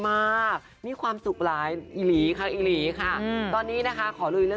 นักข่าวพันธงไทยรัฐ